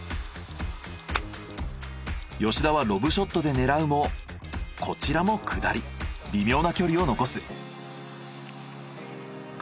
吉田はロブショットで狙うもこちらも下り微妙な距離を残す。